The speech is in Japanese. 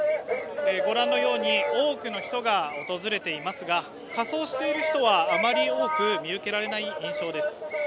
ご覧のように多くの人が訪れていますが仮装している人はあまり多く見受けられない印象です。